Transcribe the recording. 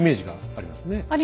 ありますよね。